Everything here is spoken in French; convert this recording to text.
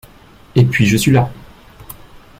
Et puis je suis là!